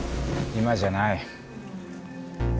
今じゃない。